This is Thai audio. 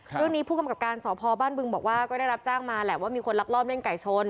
ผู้กำกับการสพบ้านบึงบอกว่าก็ได้รับแจ้งมาแหละว่ามีคนลักลอบเล่นไก่ชน